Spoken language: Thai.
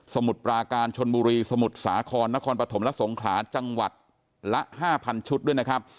มุดปราการชนบุรีสมุทรสาครนครปฐมและสงขลาจังหวัดละ๕๐๐ชุดด้วยนะครับ